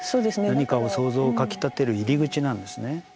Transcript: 何かを想像をかきたてる入口なんですね。